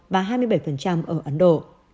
và hai mươi bảy ở ấn độ